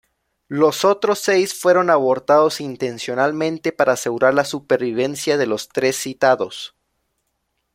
Los otros seis fueron abortados intencionalmente para asegurar la supervivencia de los tres citados.